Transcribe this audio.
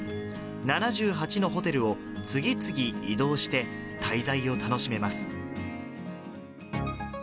７８のホテルを次々移動して、滞在を楽しめます。